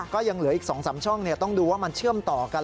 ก็ยังเหลืออีก๒๓ช่องต้องดูว่ามันเชื่อมต่อกัน